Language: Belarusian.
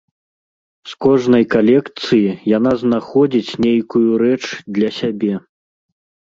З кожнай калекцыі яна знаходзіць нейкую рэч для сябе.